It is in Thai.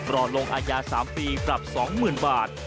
รอลงอายา๓ปีปรับ๒๐๐๐บาท